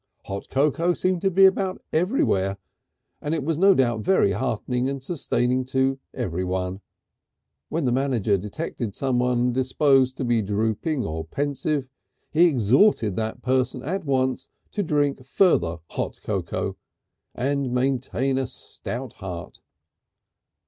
Hot cocoa seemed to be about everywhere, and it was no doubt very heartening and sustaining to everyone. When the manager detected anyone disposed to be drooping or pensive he exhorted that person at once to drink further hot cocoa and maintain a stout heart.